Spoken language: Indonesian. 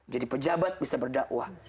jadi pejabat bisa berdakwah